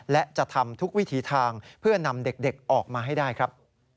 และจะทำทุกวิถีทางเพื่อนำเด็กออกมาให้ได้ครับ